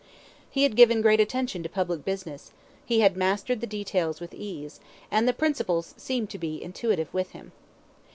He had given great attention to public business; he had mastered the details with ease; and the principles seemed to be intuitive with him.